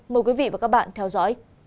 mời quý vị và các bạn theo dõi